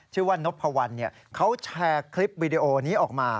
ชื่อว่านพวัลเขาแชร์คลิปวิดีโอนี้ออกมา